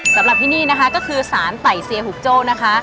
สำหรับที่นี่นะคะก็คือสารไต่เซียหุบโจ้นะคะ